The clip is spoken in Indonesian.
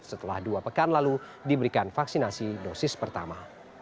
setelah dua pekan lalu diberikan vaksinasi dosis pertama